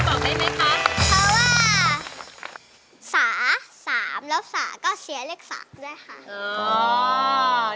เพราะว่าสา๓แล้วสาก็เชียร์เลข๓ได้ค่ะ